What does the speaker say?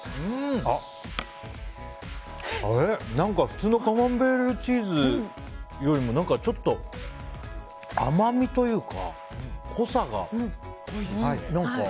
普通のカマンベールチーズよりもちょっと甘みというか濃さが、何か。